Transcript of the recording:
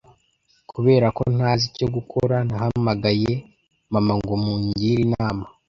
Kubera ko ntazi icyo gukora, nahamagaye mama ngo mungire inama.